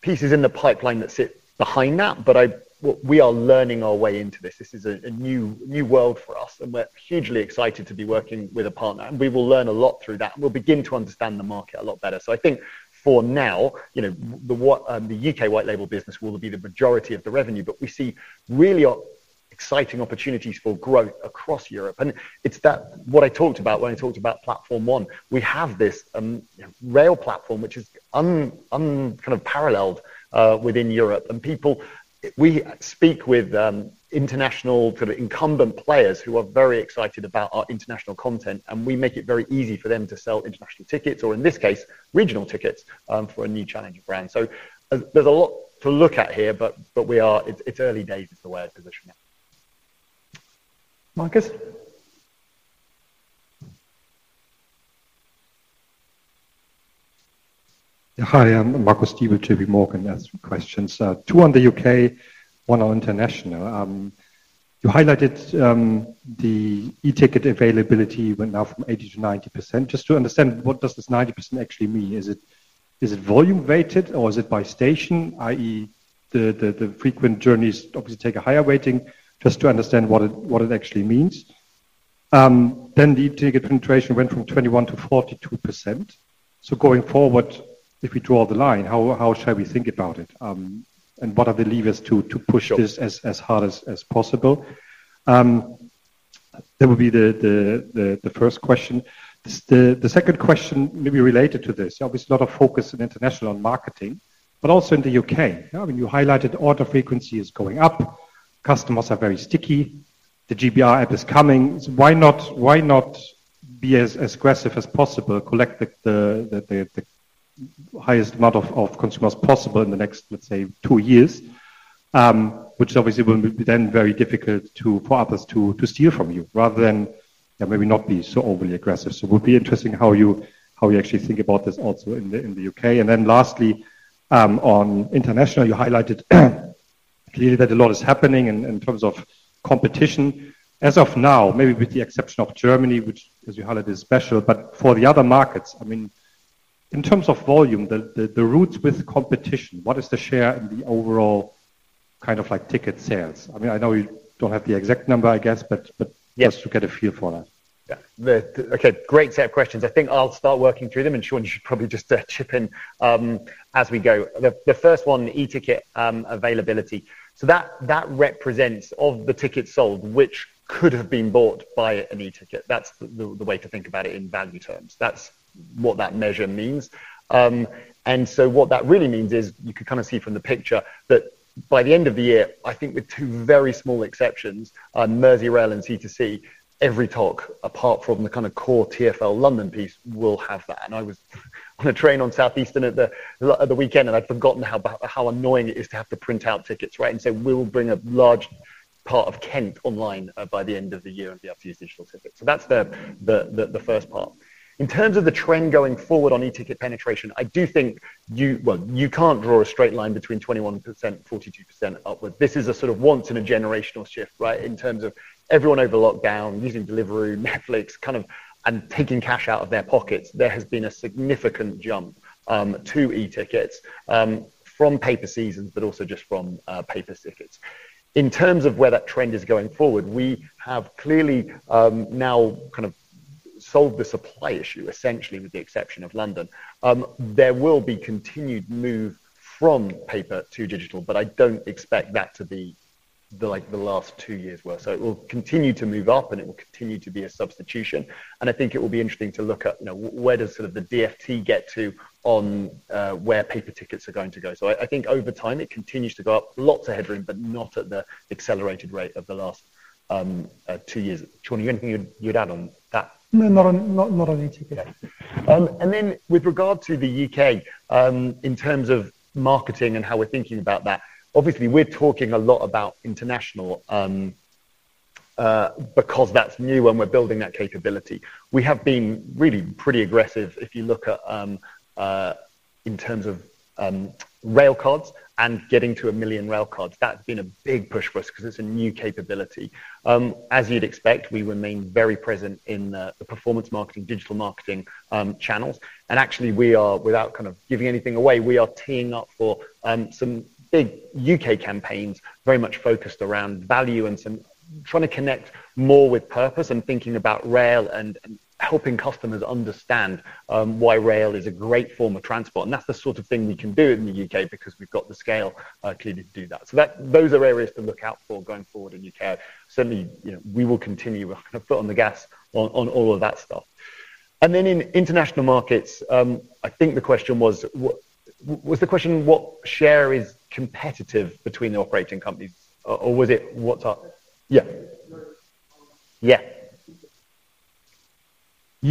pieces in the pipeline that sit behind that, but we are learning our way into this. This is a new world for us, and we're hugely excited to be working with a partner, and we will learn a lot through that, and we'll begin to understand the market a lot better. I think for now, you know, the UK white label business will be the majority of the revenue, but we see really exciting opportunities for growth across Europe. It's that what I talked about when I talked about Platform One. We have this rail platform which is kind of unparalleled within Europe. We speak with international sort of incumbent players who are very excited about our international content, and we make it very easy for them to sell international tickets or in this case, regional tickets, for a new challenging brand. There's a lot to look at here, but it's early days is the way of positioning it.
Marcus?
Yeah. Hi, I'm Marcus Diebel with JPMorgan. I have some questions. Two on the UK, one on international. You highlighted the e-ticket availability went now from 80% to 90%. Just to understand, what does this 90% actually mean? Is it volume weighted or is it by station, i.e. the frequent journeys obviously take a higher weighting just to understand what it actually means. Then the e-ticket penetration went from 21% to 42%. Going forward, if we draw the line, how should we think about it? And what are the levers to push this as hard as possible? That would be the first question. The second question may be related to this. Obviously, a lot of focus in international on marketing, but also in the UK. You know, when you highlighted order frequency is going up, customers are very sticky. The GBR app is coming. Why not be as aggressive as possible, collect the highest amount of consumers possible in the next, let's say, two years, which obviously will be then very difficult for others to steal from you rather than, you know, maybe not be so overly aggressive. It would be interesting how you actually think about this also in the UK. Lastly, on international, you highlighted clearly that a lot is happening in terms of competition. As of now, maybe with the exception of Germany, which as you highlighted, is special, but for the other markets, I mean, in terms of volume, the routes with competition, what is the share in the overall kind of like ticket sales? I mean, I know you don't have the exact number, I guess, but.
Yes.
Just to get a feel for that.
Okay, great set of questions. I think I'll start working through them, and Shaun, you should probably just chip in as we go. The first one, e-ticket availability. So that represents of the tickets sold, which could have been bought by an e-ticket. That's the way to think about it in value terms. That's what that measure means. What that really means is you can kind of see from the picture that by the end of the year, I think with two very small exceptions, Merseyrail and c2c, every TOC, apart from the kind of core TfL London piece, will have that. I was on a train on Southeastern on the weekend, and I'd forgotten how annoying it is to have to print out tickets, right? We'll bring a large part of Kent online by the end of the year and be able to use digital tickets. That's the first part. In terms of the trend going forward on e-ticket penetration, I do think you can't draw a straight line between 21%, 42% upward. This is a sort of once in a generational shift, right? In terms of everyone over lockdown using Deliveroo, Netflix, kind of, and taking cash out of their pockets. There has been a significant jump to e-tickets from paper seasons, but also just from paper tickets. In terms of where that trend is going forward, we have clearly now solved the supply issue, essentially with the exception of London. There will be continued move from paper to digital, but I don't expect that to be the, like the last two years were. It will continue to move up, and it will continue to be a substitution. I think it will be interesting to look at, you know, where does sort of the DfT get to on where paper tickets are going to go. I think over time it continues to go up. Lots of headroom, but not at the accelerated rate of the last two years. Johnny, anything you'd add on that?
No, not on e-tickets.
Okay. With regard to the UK, in terms of marketing and how we're thinking about that, obviously we're talking a lot about international, because that's new and we're building that capability. We have been really pretty aggressive if you look at, in terms of, Railcards and getting to 1 million Railcards. That's been a big push for us 'cause it's a new capability. As you'd expect, we remain very present in the performance marketing, digital marketing, channels. Actually we are, without kind of giving anything away, we are teeing up for, some big UK campaigns, very much focused around value and trying to connect more with purpose and thinking about rail and helping customers understand, why rail is a great form of transport. That's the sort of thing we can do in the UK because we've got the scale, clearly to do that. Those are areas to look out for going forward in UK. Certainly, you know, we will continue. We're gonna foot on the gas on all of that stuff. Then in international markets, I think the question was what share is competitive between the operating companies? Or was it what are.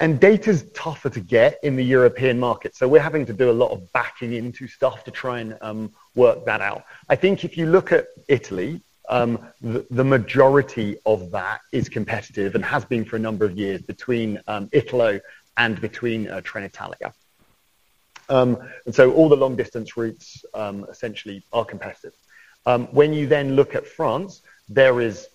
And data's tougher to get in the European market, so we're having to do a lot of backing into stuff to try and work that out. I think if you look at Italy, the majority of that is competitive and has been for a number of years between Italo and Trenitalia. All the long distance routes essentially are competitive. When you then look at France, there is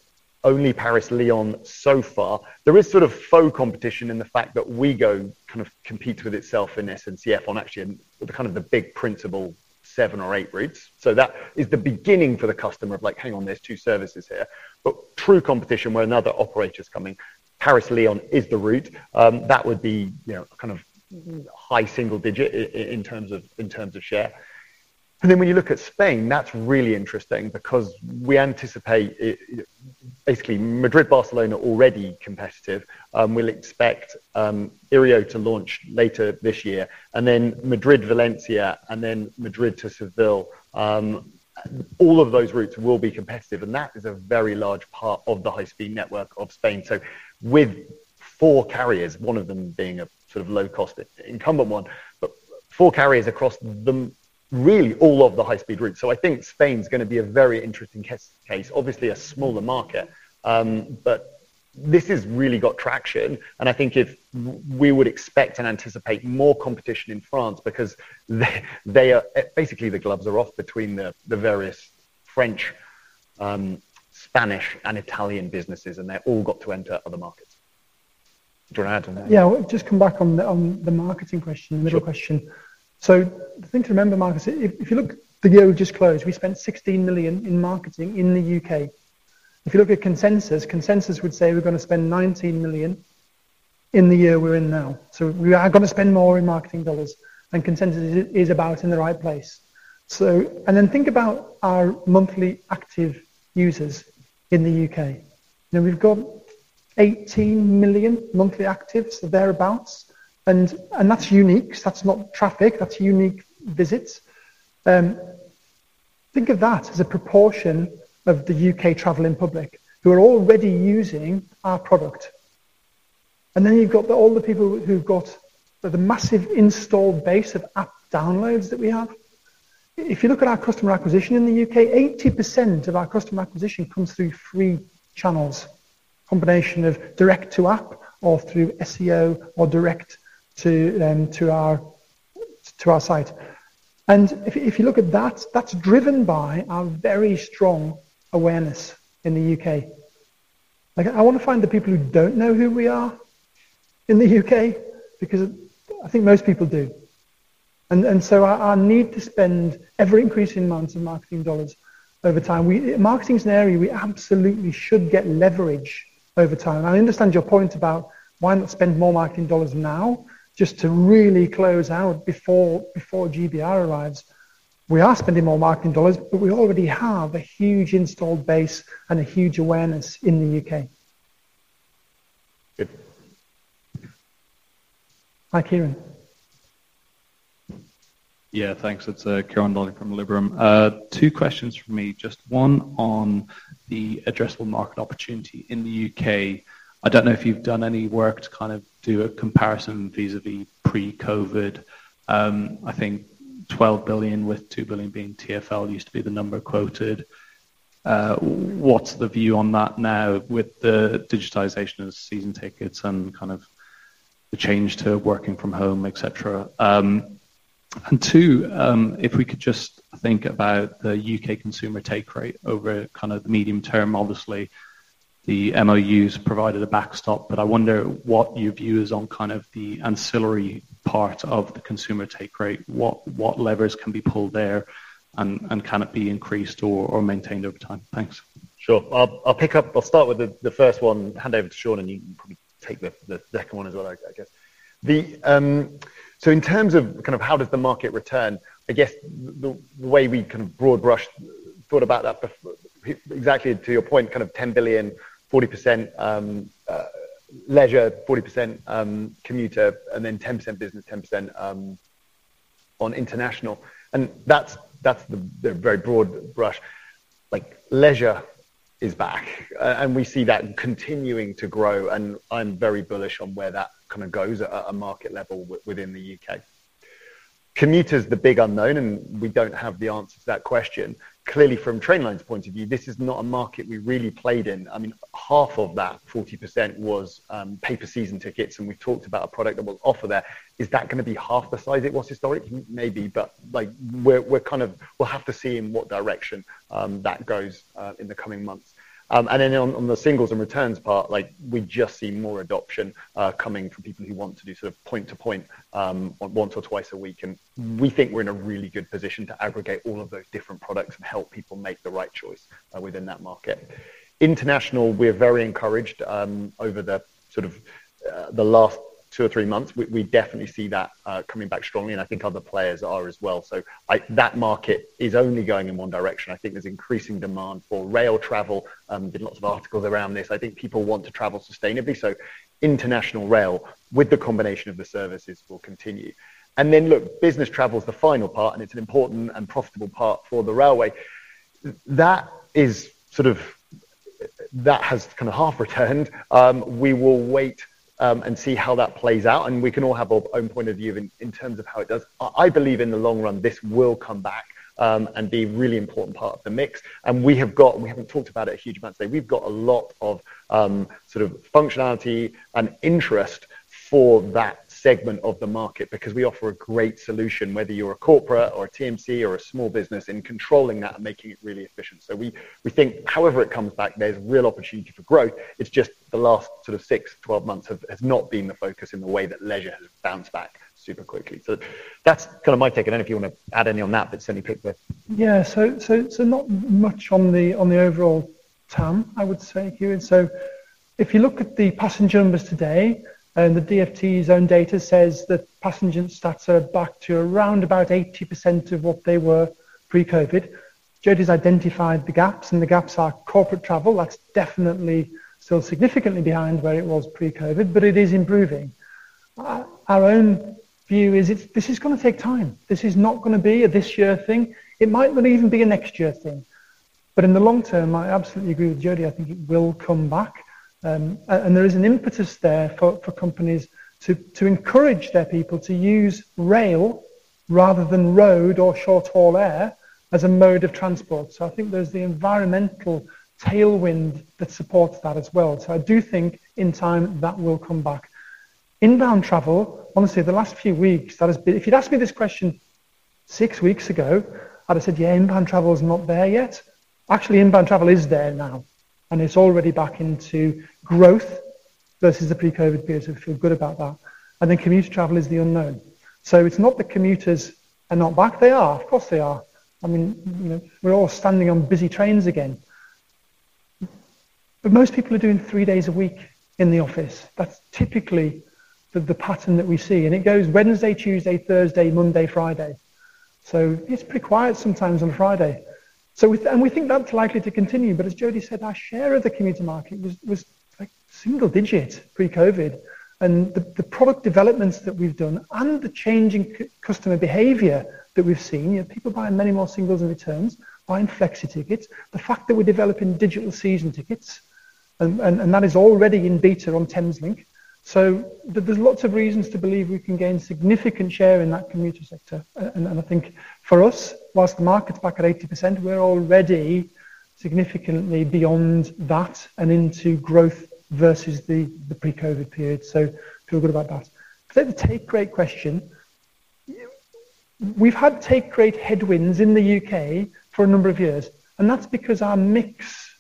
only Paris-Lyon so far. There is sort of faux competition in the fact that Ouigo kind of competes with itself in SNCF on actually the kind of the big principal seven or eight routes. That is the beginning for the customer of like, hang on, there's two services here. True competition where another operator's coming, Paris-Lyon is the route that would be, you know, kind of high single-digit % in terms of share. When you look at Spain, that's really interesting because we anticipate basically Madrid-Barcelona already competitive. We'll expect Iryo to launch later this year. Then Madrid-Valencia and then Madrid to Seville, all of those routes will be competitive and that is a very large part of the high-speed network of Spain. With four carriers, one of them being a sort of low cost incumbent one, but four carriers across the, really all of the high speed routes. I think Spain's gonna be a very interesting case. Obviously a smaller market, but this has really got traction. I think if we would expect and anticipate more competition in France because they are. Basically the gloves are off between the various French, Spanish and Italian businesses, and they've all got to enter other markets. Do you want to add on that?
Yeah. I'll just come back on the marketing question, the middle question.
Sure.
The thing to remember, Marcus, if you look at the year we just closed, we spent 16 million in marketing in the UK. If you look at consensus would say we're gonna spend 19 million in the year we're in now. We are gonna spend more in marketing dollars, and consensus is about in the right place. And then think about our monthly active users in the UK. Now, we've got 18 million monthly actives, thereabout, and that's unique. That's not traffic, that's unique visits. Think of that as a proportion of the UK traveling public who are already using our product. And then you've got all the people who've got the massive installed base of app downloads that we have. If you look at our customer acquisition in the UK, 80% of our customer acquisition comes through free channels. Combination of direct to app or through SEO or direct to our site. If you look at that's driven by our very strong awareness in the UK. Like I wanna find the people who don't know who we are in the UK because I think most people do. So our need to spend ever increasing amounts of marketing dollars over time. Marketing is an area we absolutely should get leverage over time. I understand your point about why not spend more marketing dollars now just to really close out before GBR arrives. We are spending more marketing dollars, but we already have a huge installed base and a huge awareness in the UK.
Good.
Hi, Kieran.
Yeah, thanks. It's Kieran Dolling from Liberum. Two questions from me. Just one on the addressable market opportunity in the UK. I don't know if you've done any work to kind of do a comparison vis-à-vis pre-COVID. I think 12 billion with 2 billion being TfL used to be the number quoted. What's the view on that now with the digitization of season tickets and kind of the change to working from home, et cetera? And two, if we could just think about the UK consumer take rate over kind of the medium term. Obviously, the MoUs provided a backstop, but I wonder what your view is on kind of the ancillary part of the consumer take rate. What levers can be pulled there and can it be increased or maintained over time? Thank you.
Sure. I'll start with the first one, hand over to Shaun, and you can probably take the second one as well, I guess. In terms of kind of how does the market return, I guess the way we can broad brush thought about that be exactly to your point, kind of 10 billion, 40% leisure, 40% commuter, and then 10% business, 10% on international. That's the very broad brush. Like leisure is back. And we see that continuing to grow, and I'm very bullish on where that kinda goes at a market level within the UK. Commuter is the big unknown, and we don't have the answer to that question. Clearly, from Trainline's point of view, this is not a market we really played in. I mean, half of that 40% was pay per season tickets, and we talked about a product that we'll offer there. Is that gonna be half the size it was historically? Maybe. Like, we'll have to see in what direction that goes in the coming months. Then on the singles and returns part, like we just see more adoption coming from people who want to do sort of point to point once or twice a week. We think we're in a really good position to aggregate all of those different products and help people make the right choice within that market. International, we're very encouraged over sort of the last two or three months. We definitely see that coming back strongly, and I think other players are as well. that market is only going in one direction. I think there's increasing demand for rail travel. Been lots of articles around this. I think people want to travel sustainably. International rail with the combination of the services will continue. Then look, business travel is the final part, and it's an important and profitable part for the railway. That has kinda half returned. We will wait and see how that plays out, and we can all have our own point of view in terms of how it does. I believe in the long run, this will come back and be really important part of the mix. We have got, and we haven't talked about it a huge amount today. We've got a lot of sort of functionality and interest for that segment of the market because we offer a great solution whether you're a corporate or a TMC or a small business in controlling that and making it really efficient. We think however it comes back, there's real opportunity for growth. It's just the last sort of six, 12 months has not been the focus in the way that leisure has bounced back super quickly. That's kinda my take. I don't know if you wanna add any on that.
Not much on the overall TAM, I would say, Hugh. If you look at the passenger numbers today and the DfT's own data says that passenger stats are back to around 80% of what they were pre-COVID. Jody's identified the gaps, and the gaps are corporate travel. That's definitely still significantly behind where it was pre-COVID, but it is improving. Our own view is this is gonna take time. This is not gonna be a this year thing. It might not even be a next year thing. In the long term, I absolutely agree with Jody. I think it will come back. And there is an impetus there for companies to encourage their people to use rail rather than road or short-haul air as a mode of transport. I think there's the environmental tailwind that supports that as well. I do think in time that will come back. Inbound travel, honestly, the last few weeks, that has been strong. If you'd asked me this question six weeks ago, I'd have said, "Yeah, inbound travel is not there yet." Actually, inbound travel is there now, and it's already back into growth versus the pre-COVID period, so I feel good about that. Commuter travel is the unknown. It's not that commuters are not back. They are. Of course, they are. I mean, you know, we're all standing on busy trains again. Most people are doing three days a week in the office. That's typically the pattern that we see. It goes Wednesday, Tuesday, Thursday, Monday, Friday. It's pretty quiet sometimes on Friday. We think that's likely to continue. As Jody said, our share of the commuter market was like single-digit pre-COVID. The product developments that we've done and the changing customer behavior that we've seen, you know, people buying many more singles and returns, buying flexi tickets. The fact that we're developing digital season tickets and that is already in beta on Thameslink. There's lots of reasons to believe we can gain significant share in that commuter sector. I think for us, whilst the market's back at 80%, we're already significantly beyond that and into growth versus the pre-COVID period. Feel good about that. The take rate question. We've had take rate headwinds in the UK for a number of years, and that's because our mix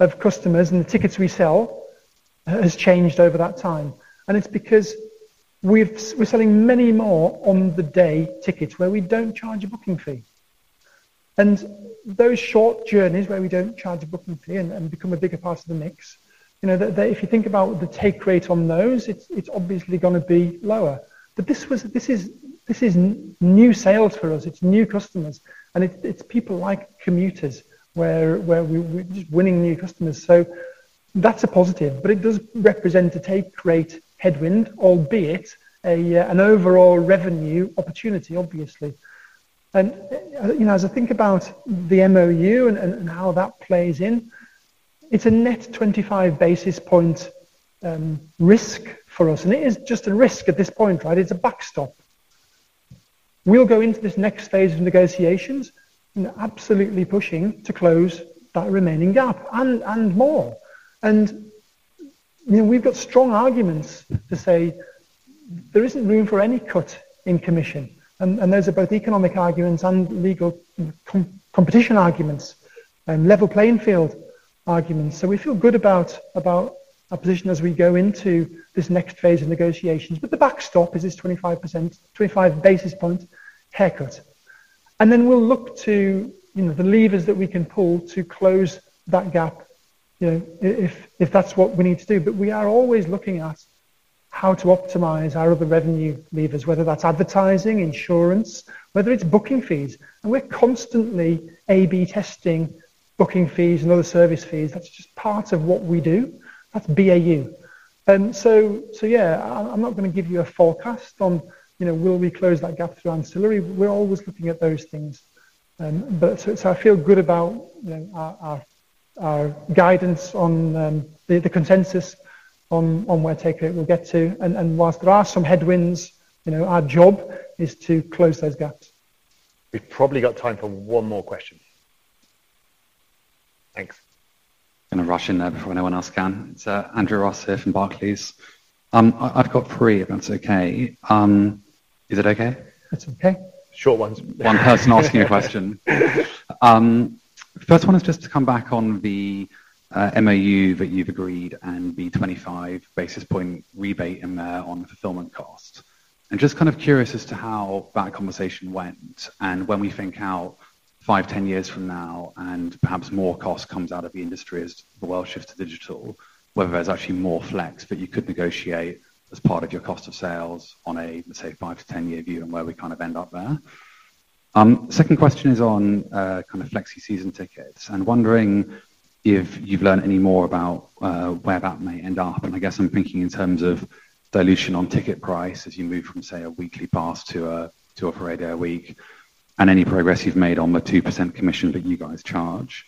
of customers and the tickets we sell has changed over that time. It's because we're selling many more on the day tickets where we don't charge a booking fee. Those short journeys where we don't charge a booking fee and become a bigger part of the mix, you know, if you think about the take rate on those, it's obviously gonna be lower. This is new sales for us, it's new customers, and it's people like commuters where we're just winning new customers. That's a positive, but it does represent a take rate headwind, albeit an overall revenue opportunity, obviously. You know, as I think about the MoU and how that plays in, it's a net 25 basis point risk for us. It is just a risk at this point, right? It's a backstop. We'll go into this next phase of negotiations and absolutely pushing to close that remaining gap and more. You know, we've got strong arguments to say there isn't room for any cut in commission. Those are both economic arguments and legal competition arguments and level playing field arguments. We feel good about our position as we go into this next phase of negotiations. The backstop is this 25%, 25 basis point haircut. Then we'll look to, you know, the levers that we can pull to close that gap, you know, if that's what we need to do. We are always looking at how to optimize our other revenue levers, whether that's advertising, insurance, whether it's booking fees. We're constantly A/B testing booking fees and other service fees. That's just part of what we do. That's BAU. Yeah, I'm not going to give you a forecast on, you know, will we close that gap through ancillary. We're always looking at those things. I feel good about, you know, our guidance on the consensus on where take rate will get to. While there are some headwinds, you know, our job is to close those gaps.
We've probably got time for one more question. Thanks.
Gonna rush in there before anyone else can. It's Andrew Ross here from Barclays. I've got three, if that's okay. Is it okay?
That's okay.
Short ones.
One person asking a question. First one is just to come back on the MOU that you've agreed and the 25 basis point rebate in there on the fulfillment cost. I'm just kind of curious as to how that conversation went and when we think out five, 10 years from now and perhaps more cost comes out of the industry as the world shifts to digital, whether there's actually more flex that you could negotiate as part of your cost of sales on a, say, five to 10-year view and where we kind of end up there. Second question is on kind of flexi season tickets. I'm wondering if you've learned any more about where that may end up, and I guess I'm thinking in terms of dilution on ticket price as you move from, say, a weekly pass to a per day or week, and any progress you've made on the 2% commission that you guys charge.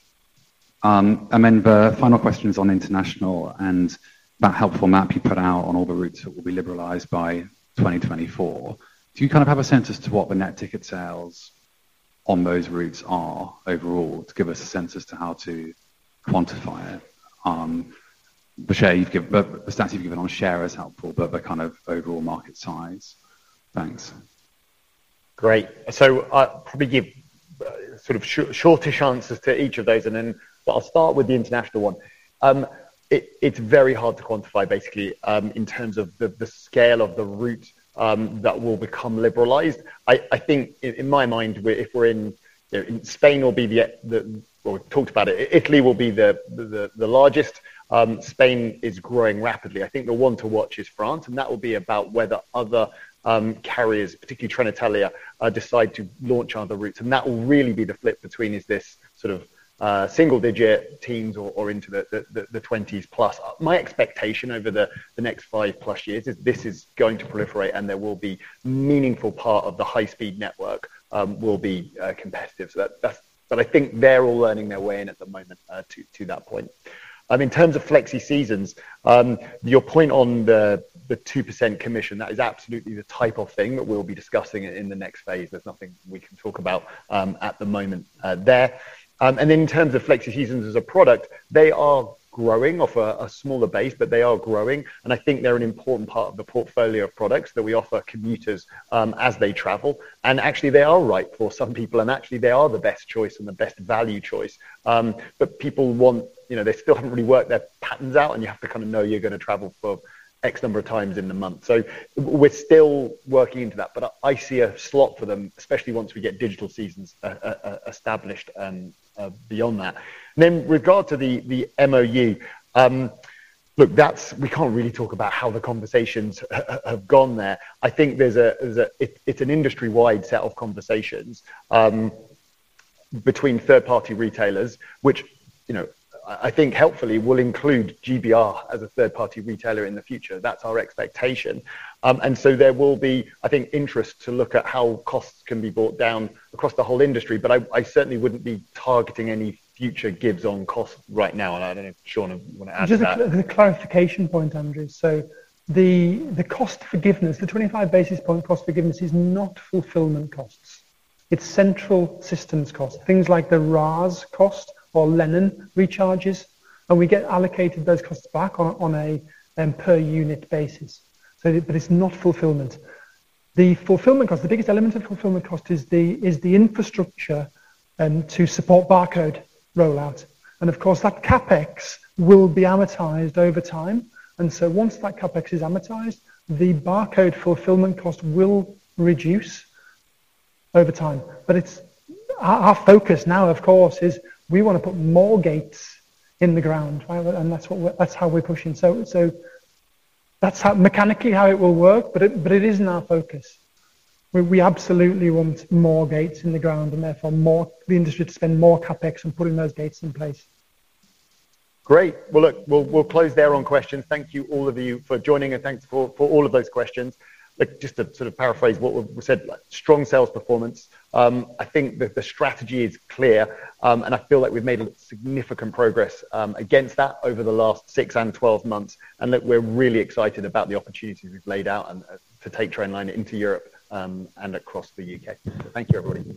Then the final question is on international and that helpful map you put out on all the routes that will be liberalized by 2024. Do you kind of have a sense as to what the net ticket sales on those routes are overall to give us a sense as to how to quantify it, the stats you've given on share is helpful, but the kind of overall market size. Thanks.
Great. I'll probably give sort of shortish answers to each of those and then but I'll start with the international one. It's very hard to quantify basically in terms of the scale of the route that will become liberalized. I think in my mind, you know, Spain will be the. Well, we talked about it. Italy will be the largest. Spain is growing rapidly. I think the one to watch is France, and that will be about whether other carriers, particularly Trenitalia, decide to launch other routes. That will really be the flip between is this sort of single digit teens or into the twenties plus. My expectation over the next five plus years is this is going to proliferate and there will be meaningful part of the high speed network will be competitive. I think they're all learning their way in at the moment to that point. In terms of flexi seasons, your point on the 2% commission, that is absolutely the type of thing that we'll be discussing in the next phase. There's nothing we can talk about at the moment there. In terms of flexi seasons as a product, they are growing off a smaller base, but they are growing, and I think they're an important part of the portfolio of products that we offer commuters as they travel. Actually, they are right for some people, and actually, they are the best choice and the best value choice. People want, you know, they still haven't really worked their patterns out, and you have to kind of know you're going to travel for X number of times in the month. We're still working into that, but I see a slot for them, especially once we get digital seasons established and beyond that. With regard to the MoU. Look, that's. We can't really talk about how the conversations have gone there. I think it's an industry-wide set of conversations between third-party retailers, which, you know, I think helpfully will include GBR as a third-party retailer in the future. That's our expectation. There will be, I think, interest to look at how costs can be brought down across the whole industry. I certainly wouldn't be targeting any future gives on cost right now. I don't know if Shaun would want to add to that.
Just a clarification point, Andrew. The cost forgiveness, the 25 basis point cost forgiveness is not fulfillment costs. It's central systems costs, things like the RAS cost or LENNON recharges, and we get allocated those costs back on a per unit basis. But it's not fulfillment. The fulfillment cost, the biggest element of fulfillment cost is the infrastructure to support barcode rollout. Of course, that CapEx will be amortized over time. Once that CapEx is amortized, the barcode fulfillment cost will reduce over time. Our focus now, of course, is we want to put more gates in the ground. Right? That's how we're pushing. That's how mechanically it will work, but it isn't our focus. We absolutely want more gates in the ground and therefore more, the industry to spend more CapEx on putting those gates in place.
Great. Well, look, we'll close there on questions. Thank you all of you for joining, and thanks for all of those questions. Like, just to sort of paraphrase what we've said, strong sales performance. I think the strategy is clear, and I feel like we've made significant progress against that over the last six and twelve months. Look, we're really excited about the opportunities we've laid out and to take Trainline into Europe and across the UK. Thank you, everybody.